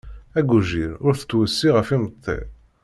Agujil ur t-ttweṣṣi ɣef imeṭṭi.